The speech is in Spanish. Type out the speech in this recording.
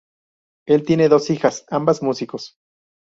Él tiene dos hijas, ambas músicos.